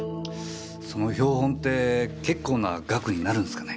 その標本って結構な額になるんですかね？